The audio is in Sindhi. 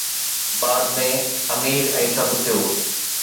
بعد ۾ امير ۽ سڀ ٿيو